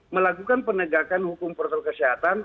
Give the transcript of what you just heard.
melakukan penegakan hukum protokol kesehatan